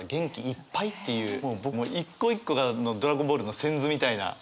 一個一個が「ドラゴンボール」の仙豆みたいな。